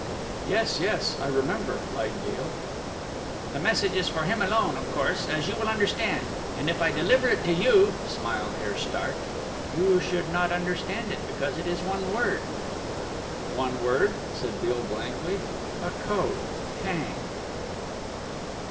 "Yes, yes, I remember," lied Beale. "The message is for him alone, of course, as you will understand, and if I deliver it to you," smiled Herr Stardt, "you should not understand it, because it is one word." "One word?" said Beale blankly. "A code hang!"